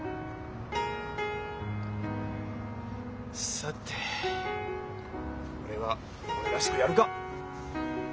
さて俺は俺らしくやるか！